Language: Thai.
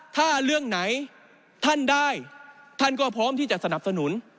ถ้าเรื่องไหนท่านได้ท่านก็พร้อมที่จะสนับสนุน